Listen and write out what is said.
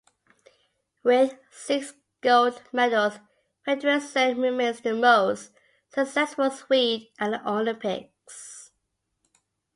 With six gold medals Fredriksson remains the most successful Swede at the Olympics.